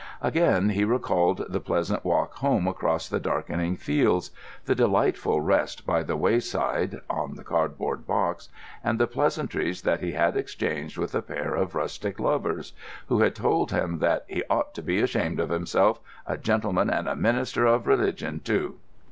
Again he recalled the pleasant walk home across the darkening fields, the delightful rest by the wayside (on the cardboard box), and the pleasantries that he had exchanged with a pair of rustic lovers—who had told him that "he ought to be ashamed of himself; a gentleman and a minister of religion, too!"